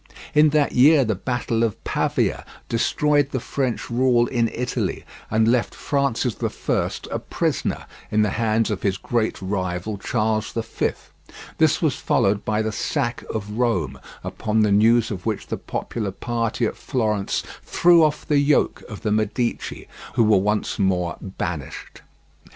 In that year the battle of Pavia destroyed the French rule in Italy, and left Francis I a prisoner in the hands of his great rival, Charles V. This was followed by the sack of Rome, upon the news of which the popular party at Florence threw off the yoke of the Medici, who were once more banished.